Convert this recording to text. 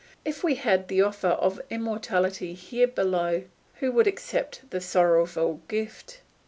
If we had the offer of immortality here below, who would accept the sorrowful gift?